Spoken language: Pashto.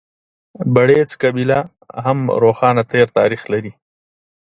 بړېڅ قبیله هم روښانه تېر تاریخ لري.